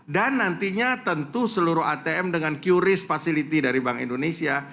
dan nantinya tentu seluruh atm dengan qris facility dari bank indonesia